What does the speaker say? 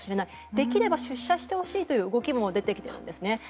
できれば出社してほしいという動きも出てきているんですね。